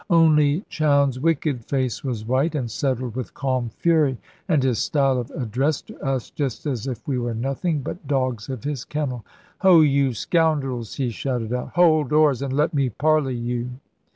Only Chowne's wicked face was white, and settled with calm fury; and his style of address to us, just as if we were nothing but dogs of his kennel. "Ho, you scoundrels!" he shouted out, "hold oars, and let me parley you."